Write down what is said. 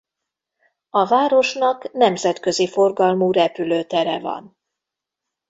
A városnak nemzetközi forgalmú repülőtere van.